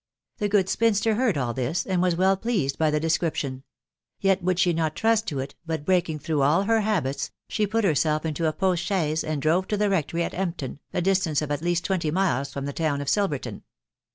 The good, spinster beard; asL this, and. was well pleased by thei description;; yet would she not trust to it; but breaking, through all. her. banksy sbei pur. herBolf into a potti chaise.and drove to the rectory/ of Etapton^a distance of at leaat twenty* miles from the towns ofi. Sirvorton.